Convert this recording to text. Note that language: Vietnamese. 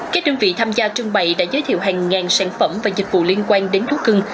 các đơn vị tham gia trưng bày đã giới thiệu hàng ngàn sản phẩm và dịch vụ liên quan đến thú cưng